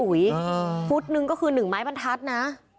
อุ๋ยอ่าพูดนึงก็คือหนึ่งไม้ปัญหา